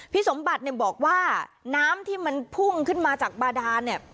สมบัติเนี่ยบอกว่าน้ำที่มันพุ่งขึ้นมาจากบาดานเนี่ย